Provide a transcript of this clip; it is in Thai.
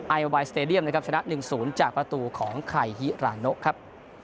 ไอโอบายสเตรเดียมนะครับชนะหนึ่งศูนย์จากประตูของไข่ฮิราโนะครับ